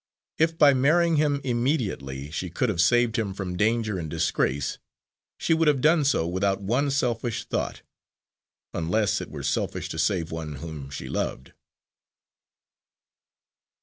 If by marrying him immediately she could have saved him from danger and disgrace she would have done so without one selfish thought unless it were selfish to save one whom she loved.